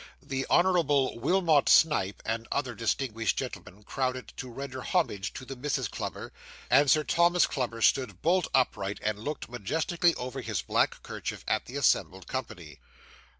The Honourable Wilmot Snipe, and other distinguished gentlemen crowded to render homage to the Misses Clubber; and Sir Thomas Clubber stood bolt upright, and looked majestically over his black kerchief at the assembled company.